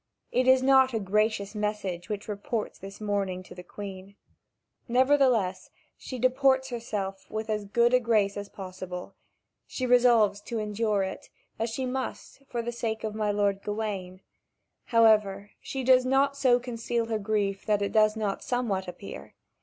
It is not a gracious message which reports this mourning to the Queen. Nevertheless, she deports herself with as good a grace as possible. She resolves to endure it, as she must, for the sake of my lord Gawain. However, she does not so conceal her grief that it does not somewhat appear.